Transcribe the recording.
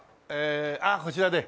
あっこちらで。